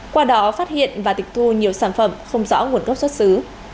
qua đó phát hiện và tịch thu nhiều sản phẩm không rõ nguồn gốc xuất xứ